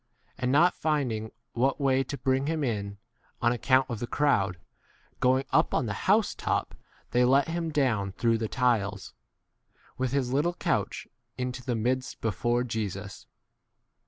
And not finding what u way to bring him in, on account of the crowd, go ing up on the house [top] they let him down through the tiles, with his little couch, into the midst before Jesus.